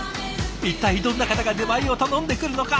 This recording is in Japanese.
一体どんな方が出前を頼んでくるのか？